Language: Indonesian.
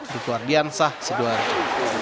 dukuar diansah sidoarjo